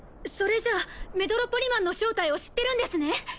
それじゃあメトロポリマンの正体を知ってるんですね？